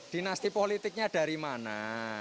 dinasti politiknya dari mana